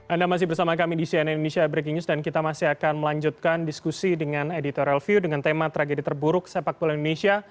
anda masih bersama kami di cnn indonesia breaking news dan kita masih akan melanjutkan diskusi dengan editorial view dengan tema tragedi terburuk sepak bola indonesia